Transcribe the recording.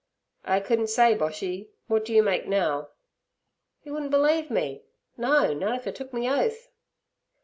'I couldn't say, Boshy. What do you make now?' 'Yer wouldn't believe me, no, nut if I took me oath.'